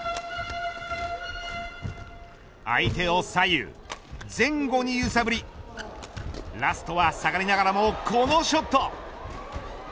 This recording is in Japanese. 相手を左右前後に揺さぶりラストは下がりながらもこのショット。